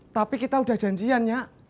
tapi kita udah janjian ya